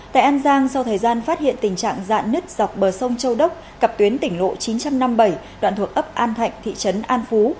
tại an giang sau thời gian phát hiện tình trạng dạn nứt dọc bờ sông châu đốc cặp tuyến tỉnh lộ chín trăm năm mươi bảy đoạn thuộc ấp an thạnh thị trấn an phú